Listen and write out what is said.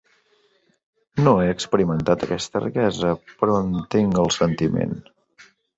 No he experimentat aquesta riquesa, però entenc el sentiment.